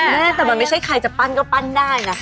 แม่แต่มันไม่ใช่ใครจะปั้นก็ปั้นได้นะ